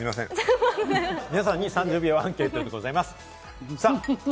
皆さんに３０秒アンケートでございます。